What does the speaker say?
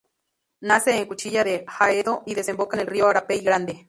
Nace en la Cuchilla de Haedo y desemboca en el río Arapey Grande.